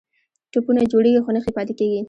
ټپونه جوړیږي خو نښې یې پاتې کیږي.